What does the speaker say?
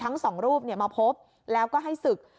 ทั้งสองรูปมาพบแล้วก็ให้ศึก